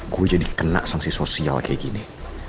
gue jadi kena sanksi sosial kayak gini